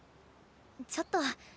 ちょっと。